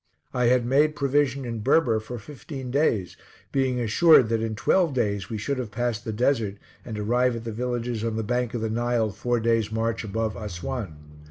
I had made provision in Berber for fifteen days, being assured that in twelve days we should have passed the desert, and arrive at the villages on the bank of the Nile four days march above Assuan.